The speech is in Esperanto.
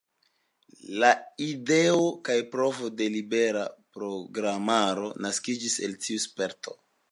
La ideo kaj provo de libera programaro naskiĝis el tiu sperto.